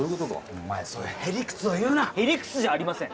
お前そうへ理屈を言うな！へ理屈じゃありません！